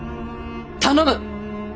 頼む。